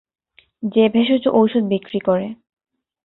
যে ভেষজ ঔষধ বিক্রি করে।